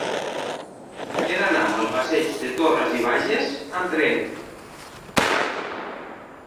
He d'anar al passeig de Torras i Bages amb tren.